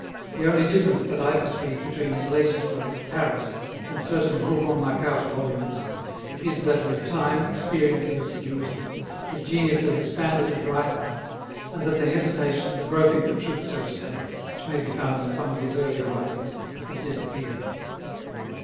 The only difference that I perceive between his latest work, "Paris," and certain Rougon Macquart volumes, is that with time, experience and assiduity, his genius has expanded and ripened, and that the hesitation, the groping for truth, so to say, which may be found in some of his earlier writings, has disappeared.